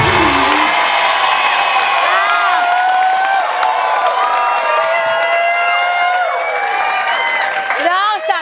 ขอบคุณครับ